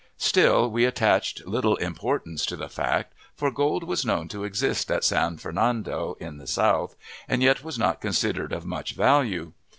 Still, we attached little importance to the fact, for gold was known to exist at San Fernando, at the south, and yet was not considered of much value.